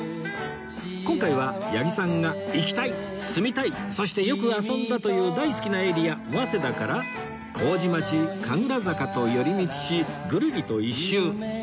今回は八木さんが行きたい住みたいそしてよく遊んだという大好きなエリア早稲田から麹町神楽坂と寄り道しぐるりと一周